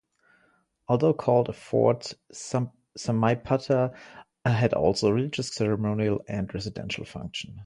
Although called a fort, Samaipata had also a religious, ceremonial, and residential function.